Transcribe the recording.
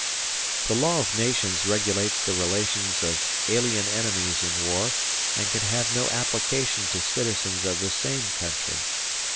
The law of nations regulates the relations of alien enemies in war and can have no application to citizens of the same country.